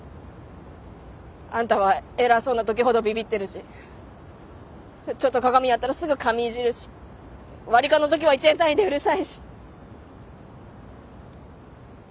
あんたは偉そうなときほどビビってるしちょっと鏡あったらすぐ髪いじるし割り勘のときは１円単位でうるさいし。